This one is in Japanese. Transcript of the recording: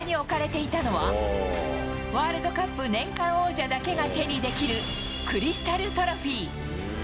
一方、床に置かれていたのは、ワールドカップ年間王者だけが手にできる、クリスタルトロフィー。